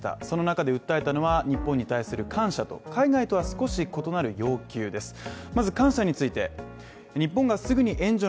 その中で訴えたのは日本に対する感謝と、海外とは少し異なる要求です。